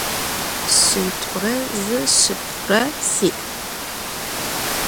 Şşit'ure zı şşıpxhure si'.